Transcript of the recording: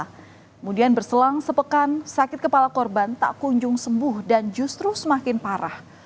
kemudian berselang sepekan sakit kepala korban tak kunjung sembuh dan justru semakin parah